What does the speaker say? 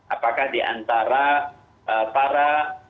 apakah di antara para